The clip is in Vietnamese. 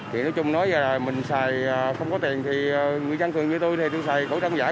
chuyện nói chung là mình xài không có tiền thì người dân thường như tôi thì tôi xài khẩu trang giải